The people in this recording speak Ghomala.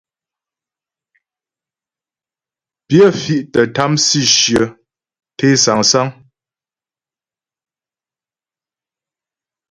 Pyə fì̀' tə́ tâm sǐshyə té sâŋsáŋ.